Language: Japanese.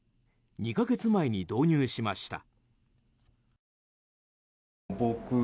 ２か月前に導入しました。